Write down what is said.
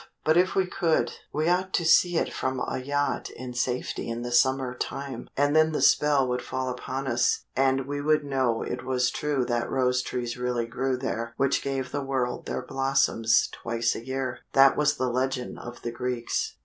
But if we could, we ought to see it from a yacht in safety in the summer time, and then the spell would fall upon us, and we would know it was true that rose trees really grew there which gave the world their blossoms twice a year. That was the legend of the Greeks."